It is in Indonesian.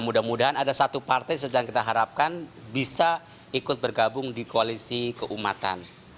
mudah mudahan ada satu partai sedang kita harapkan bisa ikut bergabung di koalisi keumatan